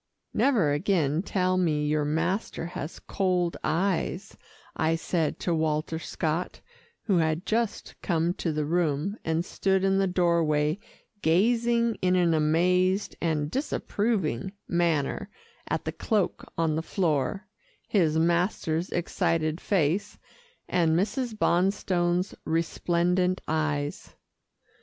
"Never again tell me your master has cold eyes," I said to Walter Scott, who had just come to the room, and stood in the doorway gazing in an amazed and disapproving manner at the cloak on the floor, his master's excited face, and Mrs. Bonstone's resplendent eyes.